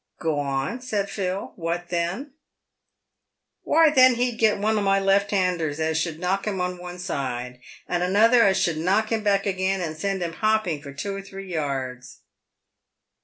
" Go on/' said Phil—" what then ?"" Why, then he'd git one o' my lefthanders, as should knock him on one side, and another as should knock him back again, and send him hopping for two or three yards."